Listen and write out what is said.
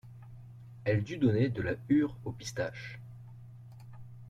Elle dut donner de la hure aux pistaches.